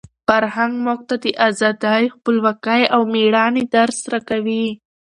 فرهنګ موږ ته د ازادۍ، خپلواکۍ او د مېړانې درس راکوي.